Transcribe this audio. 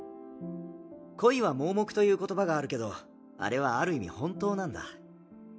恋は盲目という言葉があるけどあれはある意味本当なんだ。